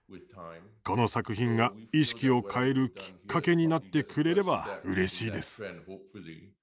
この作品が、意識を変えるきっかけになってくれればうれしいです。